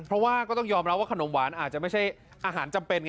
เพราะว่าก็ต้องยอมรับว่าขนมหวานอาจจะไม่ใช่อาหารจำเป็นไง